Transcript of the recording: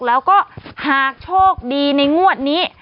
แล้วก็หากโชคดีในงวดนี้